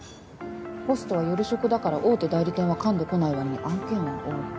ホストは夜職だから大手代理店はかんでこない割に案件は多い。